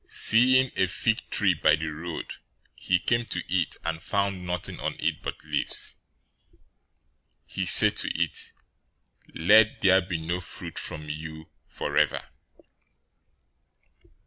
021:019 Seeing a fig tree by the road, he came to it, and found nothing on it but leaves. He said to it, "Let there be no fruit from you forever!"